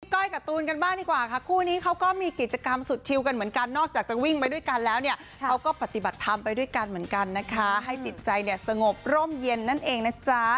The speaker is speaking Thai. ก้อยกับตูนกันบ้างดีกว่าค่ะคู่นี้เขาก็มีกิจกรรมสุดชิวกันเหมือนกันนอกจากจะวิ่งไปด้วยกันแล้วเนี่ยเขาก็ปฏิบัติธรรมไปด้วยกันเหมือนกันนะคะให้จิตใจเนี่ยสงบร่มเย็นนั่นเองนะจ๊ะ